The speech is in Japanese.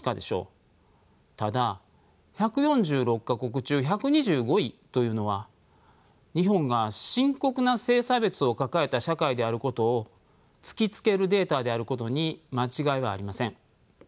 ただ１４６か国中１２５位というのは日本が深刻な性差別を抱えた社会であることを突きつけるデータであることに間違いはありません。